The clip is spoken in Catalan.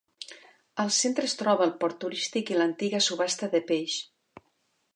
Al centre es troba el port turístic i l'antiga subhasta de peix.